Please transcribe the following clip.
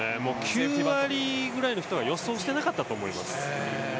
９割ぐらいの人は予想してなかったと思います。